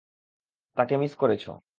তাকে মিস করেছো।